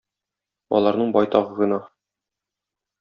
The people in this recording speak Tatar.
Аларның байтагы гөнаһ.